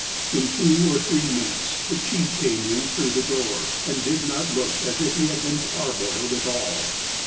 In two or three minutes, the chief came in through the door, and did not look as if he had been parboiled at all.